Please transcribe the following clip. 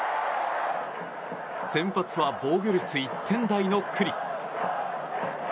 先発は防御率１点台の九里。